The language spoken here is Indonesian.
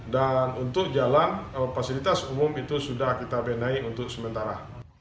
dan untuk jalan fasilitas umum itu sudah kita benai untuk sementara